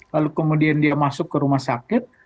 lalu kemudian dia masuk ke rumah sakit